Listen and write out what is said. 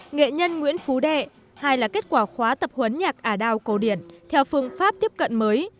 nghệ nhân nguyễn phú đệ hai là kết quả khóa tập huấn nhạc ả đào cổ điển theo phương pháp tiếp cận mới